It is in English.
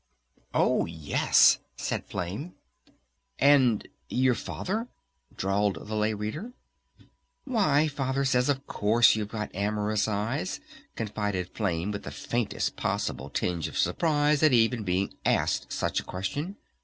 "Oh, yes!" said Flame. "And your Father?" drawled the Lay Reader. "Why, Father says of course you've got 'amorous eyes'!" confided Flame with the faintest possible tinge of surprise at even being asked such a question.